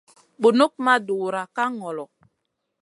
Bunuk ma dura ka ŋolo.